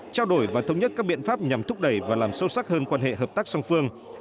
trao đổi và thống nhất các biện pháp nhằm thúc đẩy và làm sâu sắc hơn quan hệ hợp tác song phương